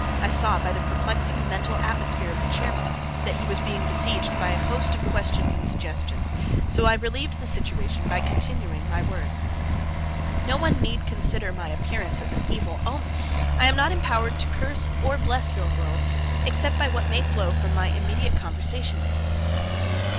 I saw by the perplexing mental atmosphere of the chairman that he was being besieged by a host of questions and suggestions; so I relieved the situation by continuing my words: "No one need consider my appearance as an evil omen. I am not empowered to curse or bless your world except by what may flow from my immediate conversation with you."